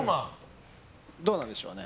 どうなんでしょうね。